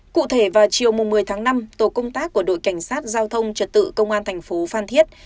cụ thể vào chiều một mươi tháng năm tổ công tác của đội cảnh sát giao thông trật tự công an thành phố phan thiết